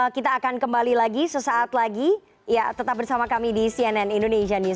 kita akan kembali lagi sesaat lagi ya tetap bersama kami di cnn indonesia newsro